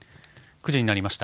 ９時になりました。